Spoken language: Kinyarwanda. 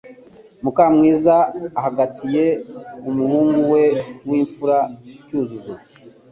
Mukamwiza ahagatiye umuhungu we w'imfura Cyuzuzo